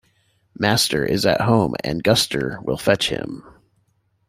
Master is at home, and Guster will fetch him.